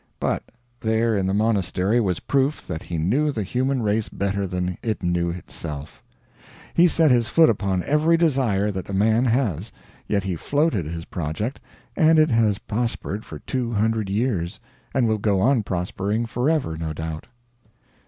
But there in the monastery was proof that he knew the human race better than it knew itself. He set his foot upon every desire that a man has yet he floated his project, and it has prospered for two hundred years, and will go on prospering forever, no doubt.